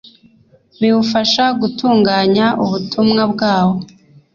biwufasha gutunganya ubutumwa bwawo